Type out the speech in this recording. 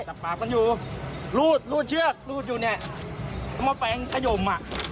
จับปากมันอยู่รูดรูดเชือกรูดอยู่เนี่ยมันมาแปลงขยมอ่ะ